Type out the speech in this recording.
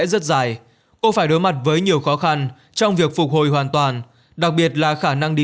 rất dài cô phải đối mặt với nhiều khó khăn trong việc phục hồi hoàn toàn đặc biệt là khả năng điều